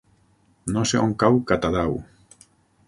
No sé on cau Catadau.